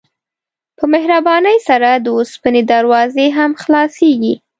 په مهربانۍ سره د اوسپنې دروازې هم خلاصیږي.